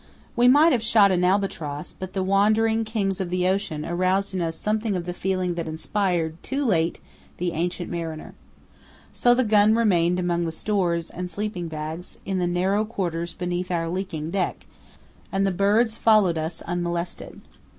We might have shot an albatross, but the wandering king of the ocean aroused in us something of the feeling that inspired, too late, the Ancient Mariner. So the gun remained among the stores and sleeping bags in the narrow quarters beneath our leaking deck, and the birds followed us unmolested.